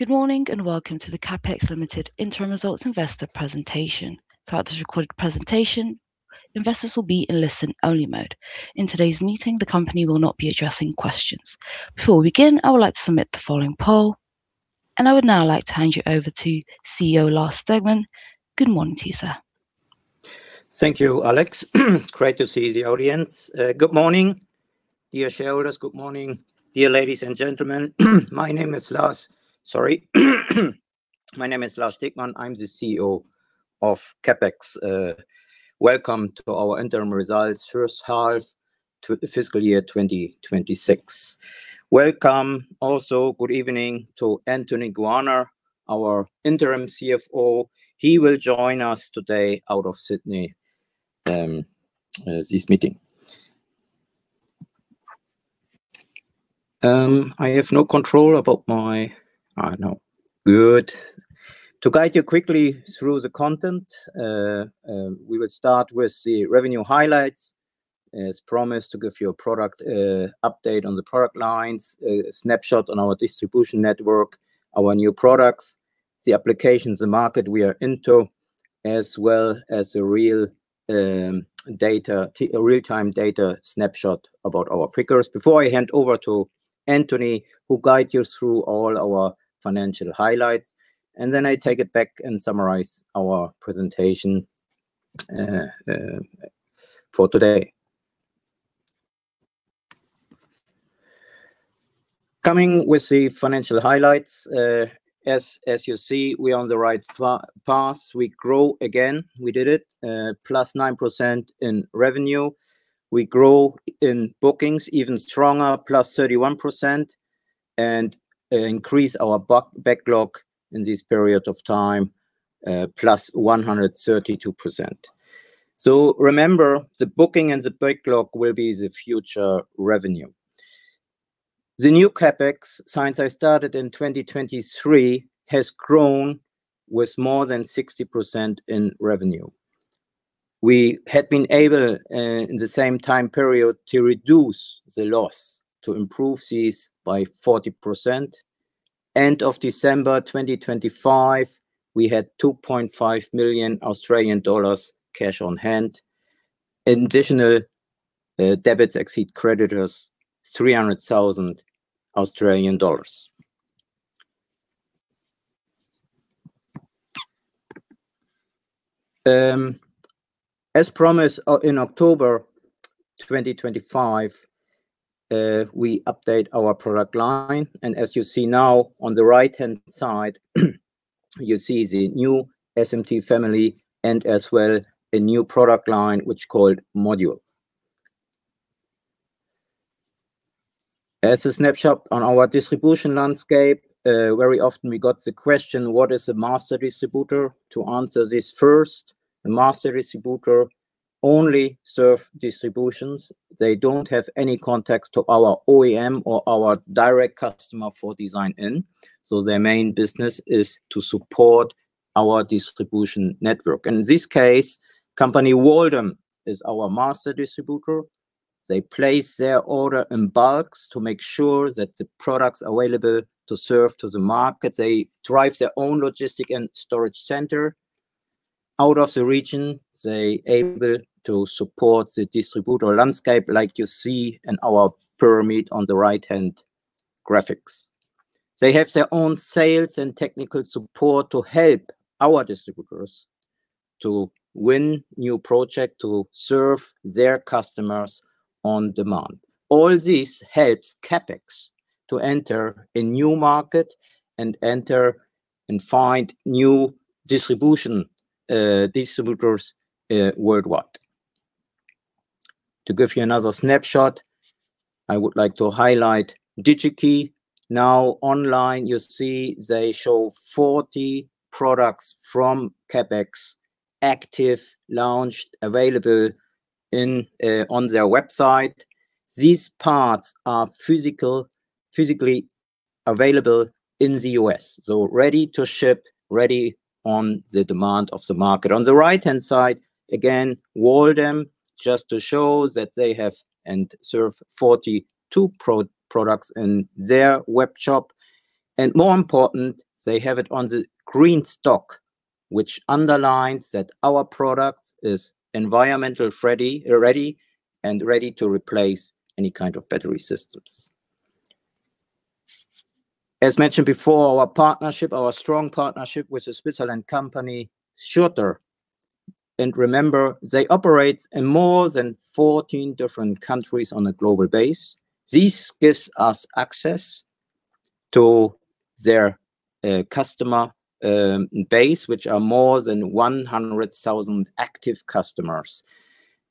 Good morning and welcome to the CAP-XX Limited Interim Results Investor Presentation. Throughout this recorded presentation, investors will be in listen-only mode. In today's meeting, the company will not be addressing questions. Before we begin, I would like to submit the following poll, and I would now like to hand you over to CEO Lars Stegmann. Good morning, to you sir. Thank you, Alex. Great to see the audience. Good morning, dear shareholders, good morning, dear ladies and gentlemen. My name is Lars Stegmann. I'm the CEO of CAP-XX. Welcome to our interim results first half to fiscal year 2026. Welcome also, good evening, to Anthony Guarna, our Interim CFO. He will join us today out of Sydney, this meeting. I have no control about my. To guide you quickly through the content, we will start with the revenue highlights, as promised, to give you a product update on the product lines, a snapshot on our distribution network, our new products, the applications, the market we are into, as well as a real-time data snapshot about our figures. Before I hand over to Anthony, who guides you through all our financial highlights, and then I take it back and summarize our presentation, for today. Coming with the financial highlights, as you see, we're on the right path. We grow again. We did it, +9% in revenue. We grow in bookings even stronger, +31%, and increase our backlog in this period of time, +132%. So remember, the booking and the backlog will be the future revenue. The new CAP-XX, since I started in 2023, has grown with more than 60% in revenue. We had been able, in the same time period to reduce the loss, to improve these by 40%. End of December 2025, we had 2.5 million Australian dollars cash on hand. Additional, debtors exceed creditors 300,000 Australian dollars. As promised, in October 2025, we update our product line. As you see now on the right-hand side, you see the new SMT family and as well a new product line, which is called Module. As a snapshot on our distribution landscape, very often we got the question, "What is a master distributor?" To answer this first, a master distributor only serves distributions. They don't have any contacts to our OEM or our direct customer for design-in, so their main business is to support our distribution network. In this case, company Waldom is our master distributor. They place their order in bulks to make sure that the product's available to serve to the market. They drive their own logistic and storage center out of the region. They're able to support the distributor landscape, like you see in our pyramid on the right-hand graphics. They have their own sales and technical support to help our distributors to win new projects, to serve their customers on demand. All this helps CAP-XX to enter a new market and enter and find new distribution, distributors, worldwide. To give you another snapshot, I would like to highlight Digi-Key. Now online, you see they show 40 products from CAP-XX active, launched, available in, on their website. These parts are physical, physically available in the U.S., so ready to ship, ready on the demand of the market. On the right-hand side, again, Waldom, just to show that they have and serve 42 products in their webshop. And more important, they have it on the Green Stock, which underlines that our product is environmentally ready, ready, and ready to replace any kind of battery systems. As mentioned before, our partnership, our strong partnership, with the Switzerland company SCHURTER. And remember, they operate in more than 14 different countries on a global base. This gives us access to their customer base, which are more than 100,000 active customers.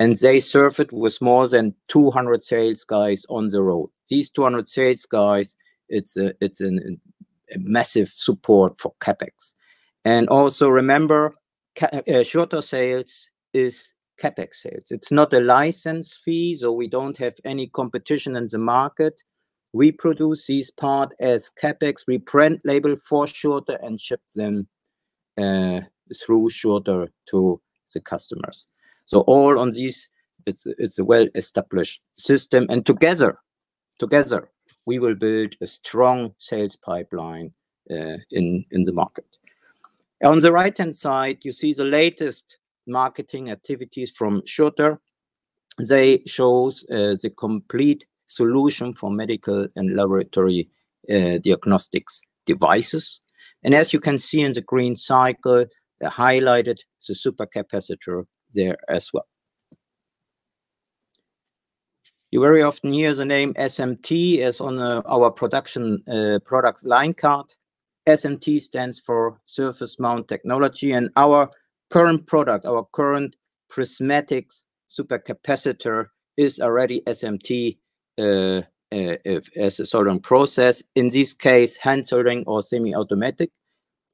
And they serve it with more than 200 sales guys on the road. These 200 sales guys, it's a massive support for CAP-XX. And also remember, SCHURTER sales is CAP-XX sales. It's not a license fee, so we don't have any competition in the market. We produce these parts as CAP-XX. We print labels for SCHURTER and ship them through SCHURTER to the customers. So all on these, it's a well-established system. And together we will build a strong sales pipeline in the market. On the right-hand side, you see the latest marketing activities from SCHURTER. They show the complete solution for medical and laboratory diagnostics devices. And as you can see in the green circle, they highlighted the supercapacitor there as well. You very often hear the name SMT as on our production product line card. SMT stands for Surface Mount Technology. And our current product, our current prismatic supercapacitor, is already SMT, as a soldering process. In this case, hand soldering or semi-automatic.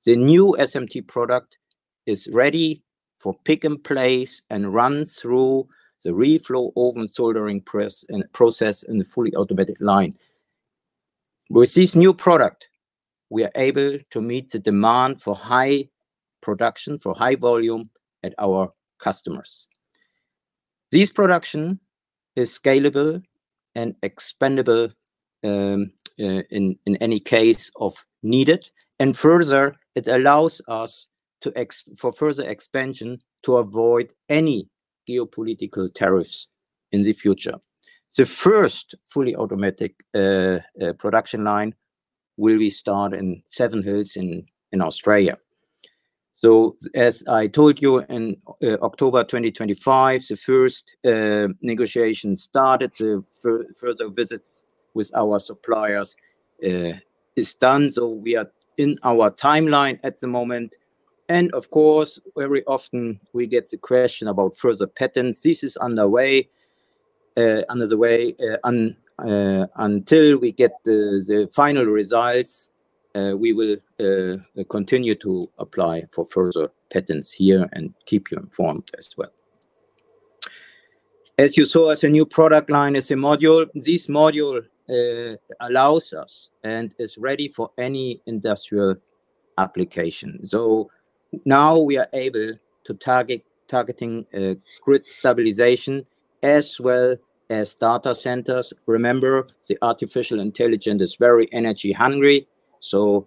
The new SMT product is ready for pick and place and runs through the reflow oven soldering press and process in the fully automatic line. With this new product, we are able to meet the demand for high production, for high volume at our customers. This production is scalable and expandable, in any case of needed. And further, it allows us to for further expansion to avoid any geopolitical tariffs in the future. The first fully automatic production line will be started in Seven Hills in Australia. So as I told you in October 2025, the first negotiations started. The further visits with our suppliers are done. So we are in our timeline at the moment. And of course, very often we get the question about further patents. This is underway until we get the final results. We will continue to apply for further patents here and keep you informed as well. As you saw, as a new product line as a module, this module allows us and is ready for any industrial application. So now we are able to targeting grid stabilization as well as data centers. Remember, the artificial intelligence is very energy-hungry, so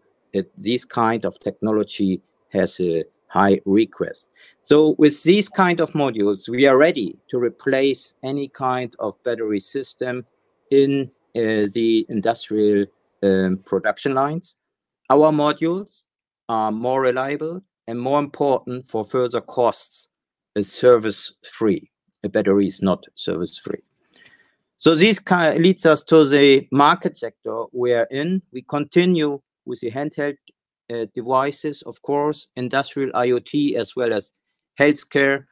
this kind of technology has a high request. So with these kind of modules, we are ready to replace any kind of battery system in the industrial production lines. Our modules are more reliable and more important for further costs as service-free. Battery is not service-free. So this kind of leads us to the market sector we are in. We continue with the handheld devices, of course, industrial IoT as well as healthcare.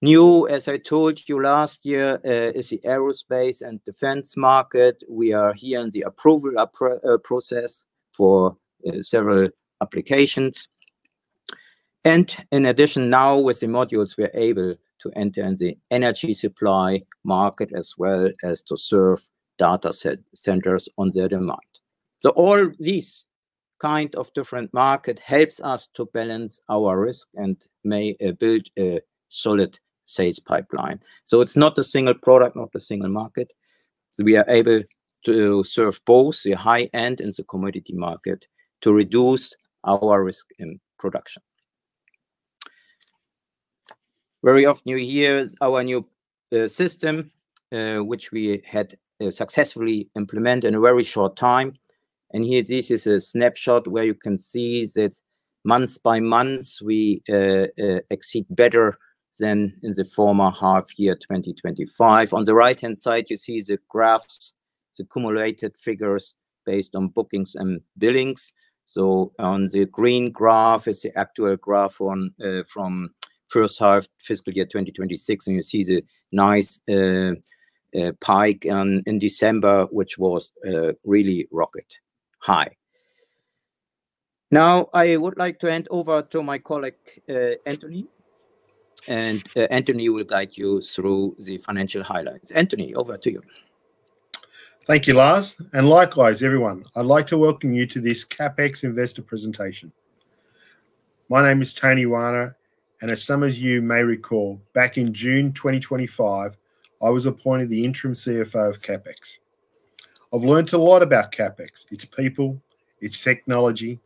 New, as I told you last year, is the aerospace and defense market. We are here in the approval process for several applications. In addition, now with the modules, we are able to enter in the energy supply market as well as to serve data centers on their demand. So all these kind of different markets help us to balance our risk and may build a solid sales pipeline. So it's not a single product, not a single market. We are able to serve both the high-end and the commodity market to reduce our risk in production. Very often you hear our new system, which we had successfully implemented in a very short time. And here this is a snapshot where you can see that months by months we exceed better than in the former half-year 2025. On the right-hand side, you see the graphs, the cumulative figures based on bookings and billings. So on the green graph is the actual graph from first half fiscal year 2026. And you see the nice spike in December, which was really rocketing high. Now I would like to hand over to my colleague, Anthony. And Anthony will guide you through the financial highlights. Anthony, over to you. Thank you, Lars. Likewise, everyone, I'd like to welcome you to this CAP-XX investor presentation. My name is Tony Guarna. As some of you may recall, back in June 2025, I was appointed the Interim CFO of CAP-XX. I've learned a lot about CAP-XX. It's people. It's technology.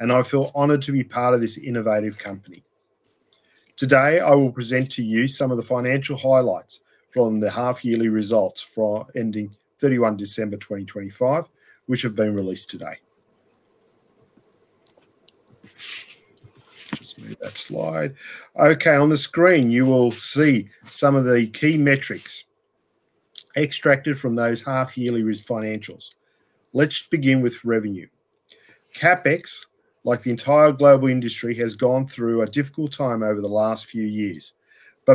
I feel honored to be part of this innovative company. Today, I will present to you some of the financial highlights from the half-yearly results from ending 31 December 2025, which have been released today. Just move that slide. Okay, on the screen, you will see some of the key metrics extracted from those half-yearly financials. Let's begin with revenue. CAP-XX, like the entire global industry, has gone through a difficult time over the last few years.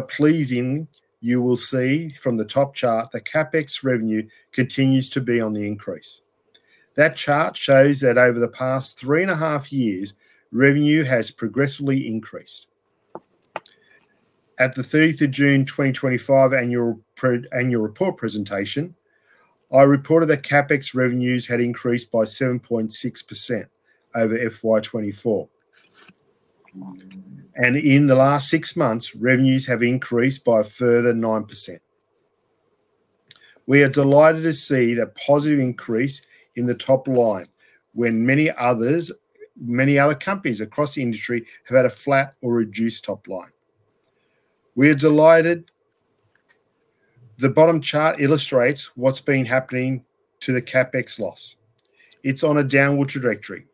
Pleasing, you will see from the top chart that CAP-XX revenue continues to be on the increase. That chart shows that over the past 3.5 years, revenue has progressively increased. At the 30 June 2025 annual report presentation, I reported that CAP-XX revenues had increased by 7.6% over FY 2024. In the last six months, revenues have increased by further 9%. We are delighted to see the positive increase in the top line when many others, many other companies across the industry, have had a flat or reduced top line. We are delighted. The bottom chart illustrates what's been happening to the CAP-XX loss. It's on a downward trajectory.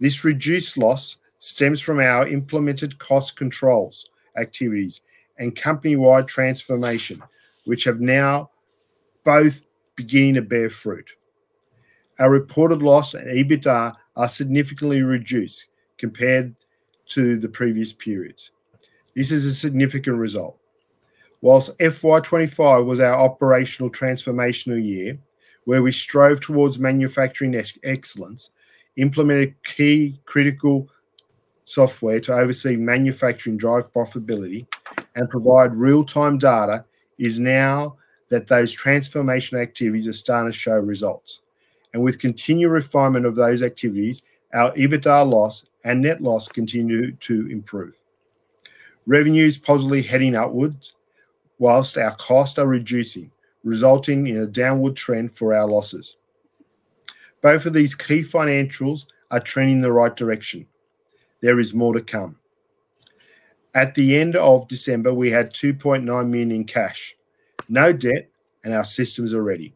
This reduced loss stems from our implemented cost controls activities and company-wide transformation, which have now both begun to bear fruit. Our reported loss and EBITDA are significantly reduced compared to the previous periods. This is a significant result. While FY 2025 was our operational transformational year where we strove toward manufacturing excellence, implemented key critical software to oversee manufacturing drive profitability and provide real-time data, it is now that those transformation activities are starting to show results. With continued refinement of those activities, our EBITDA loss and net loss continue to improve. Revenue is positively heading upward while our costs are reducing, resulting in a downward trend for our losses. Both of these key financials are trending in the right direction. There is more to come. At the end of December, we had 2.9 million in cash, no debt, and our systems are ready.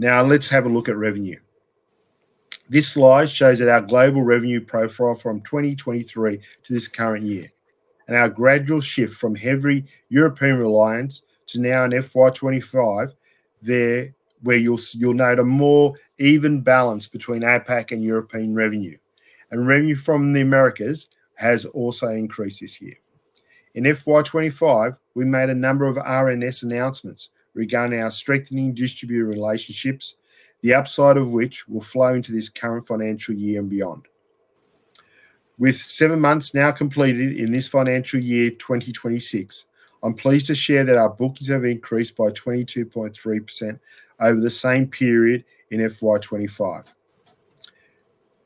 Now let's have a look at revenue. This slide shows that our global revenue profile from 2023 to this current year and our gradual shift from heavy European reliance to now in FY 2025, where you'll note a more even balance between APAC and European revenue. Revenue from the Americas has also increased this year. In FY 2025, we made a number of RNS announcements regarding our strengthening distributor relationships, the upside of which will flow into this current financial year and beyond. With seven months now completed in this financial year 2026, I'm pleased to share that our bookings have increased by 22.3% over the same period in FY 2025.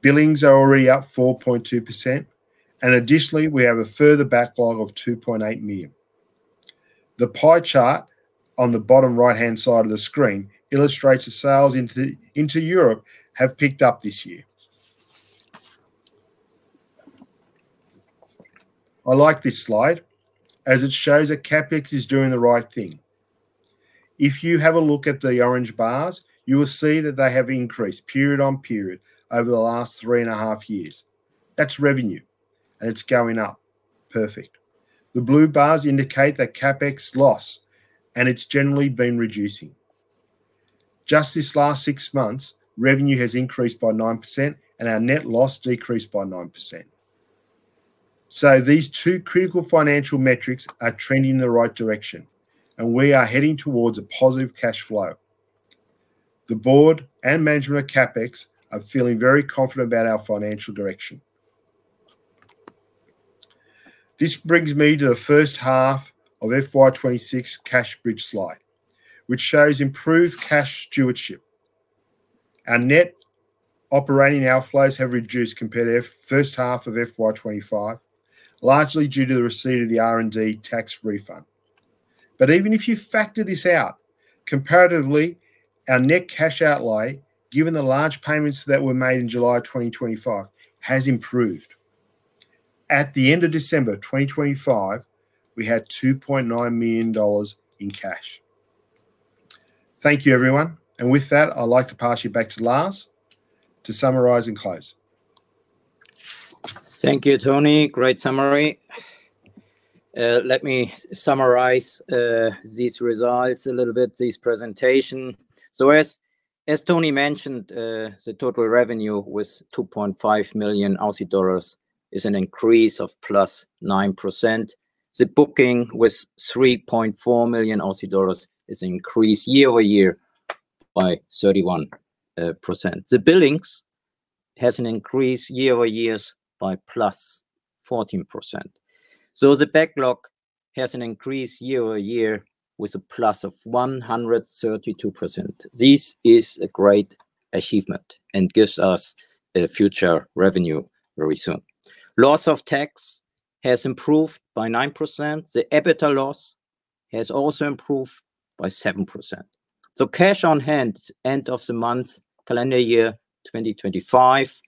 Billings are already up 4.2%. Additionally, we have a further backlog of 2.8 million. The pie chart on the bottom right-hand side of the screen illustrates that sales into Europe have picked up this year. I like this slide as it shows that CAP-XX is doing the right thing. If you have a look at the orange bars, you will see that they have increased period on period over the last 3.5 years. That's revenue. It's going up. Perfect. The blue bars indicate that CAP-XX's loss and it's generally been reducing. Just this last six months, revenue has increased by 9% and our net loss decreased by 9%. These two critical financial metrics are trending in the right direction. We are heading towards a positive cash flow. The board and management of CAP-XX are feeling very confident about our financial direction. This brings me to the first half of FY 2026 cash bridge slide, which shows improved cash stewardship. Our net operating outflows have reduced compared to the first half of FY 2025, largely due to the receipt of the R&D tax refund. But even if you factor this out, comparatively, our net cash outlay, given the large payments that were made in July 2025, has improved. At the end of December 2025, we had $2.9 million in cash. Thank you, everyone. With that, I'd like to pass you back to Lars to summarize and close. Thank you, Tony. Great summary. Let me summarize these results a little bit, this presentation. So as Tony mentioned, the total revenue with 2.5 million Aussie dollars is an increase of +9%. The bookings with AUD 3.4 million is an increase year-over-year by +31%. The billings have an increase year-over-year by +14%. So the backlog has an increase year-over-year with a +132%. This is a great achievement and gives us future revenue very soon. Loss before tax has improved by 9%. The EBITDA loss has also improved by 7%. So cash on hand end of the month, calendar year 2025,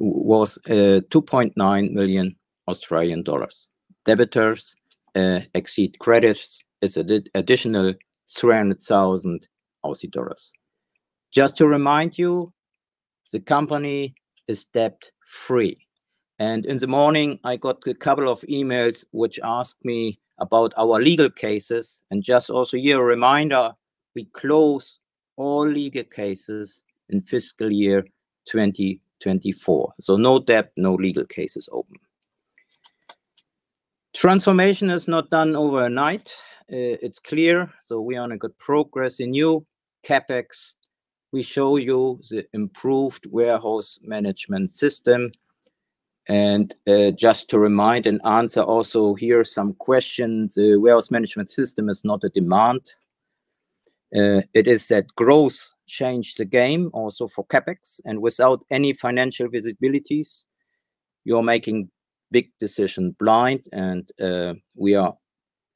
was 2.9 million Australian dollars. Debtors exceed creditors by an additional 300,000 Aussie dollars. Just to remind you, the company is debt-free. In the morning, I got a couple of emails which asked me about our legal cases. And just also here a reminder, we close all legal cases in fiscal year 2024. So no debt, no legal cases open. Transformation is not done overnight. It's clear. So we are on a good progress in new CAP-XX. We show you the improved warehouse management system. And just to remind and answer also here some questions, the warehouse management system is not a demand. It is that growth changed the game also for CAP-XX. And without any financial visibilities, you are making big decisions blind. And we are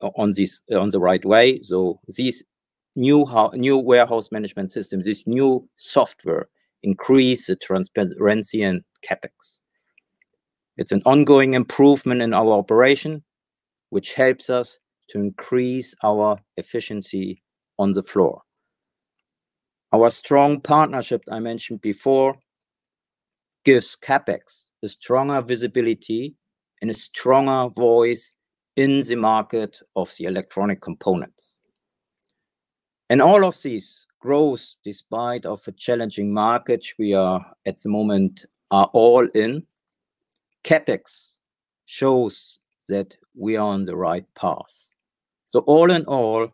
on this on the right way. So this new how new warehouse management system, this new software increased the transparency in CAP-XX. It's an ongoing improvement in our operation, which helps us to increase our efficiency on the floor. Our strong partnership, I mentioned before, gives CAP-XX a stronger visibility and a stronger voice in the market of the electronic components. All of these growth, despite a challenging market we are at the moment, are all in CAP-XX shows that we are on the right path. So all in all,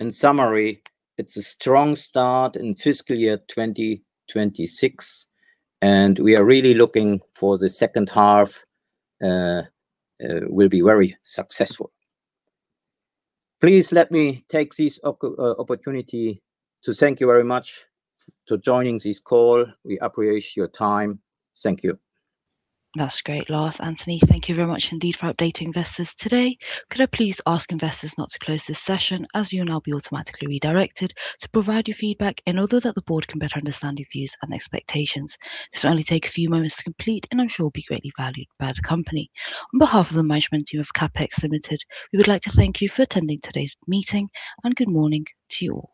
in summary, it's a strong start in fiscal year 2026. We are really looking for the second half, will be very successful. Please let me take this opportunity to thank you very much for joining this call. We appreciate your time. Thank you. That's great, Lars. Anthony, thank you very much indeed for updating investors today. Could I please ask investors not to close this session as you will now be automatically redirected to provide your feedback in order that the board can better understand your views and expectations? This will only take a few moments to complete, and I'm sure it will be greatly valued by the company. On behalf of the management team of CAP-XX Limited, we would like to thank you for attending today's meeting. Good morning to you all.